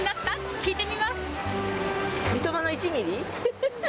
聞いてみます。